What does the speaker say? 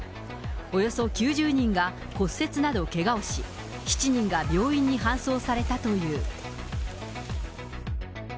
およそ９０人が骨折などけがをし、７人が病院に搬送されたという。